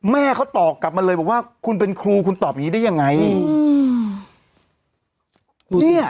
แม่เขาตอบกลับมาเลยบอกว่าคุณเป็นครูคุณตอบอย่างนี้ได้ยังไงอืม